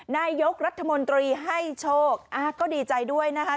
นายกรัฐมนตรีให้โชคก็ดีใจด้วยนะคะ